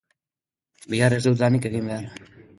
Bihar ez dut lanik egin behar